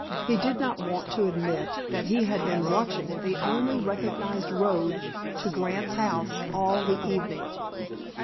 He did not want to admit that he had been watching the only recognized road to Grant's house all the evening.